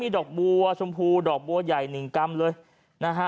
ดอกบัวชมพูดอกบัวใหญ่หนึ่งกรัมเลยนะฮะ